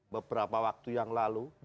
beberapa waktu yang lalu